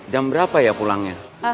jam berapa ya pulangnya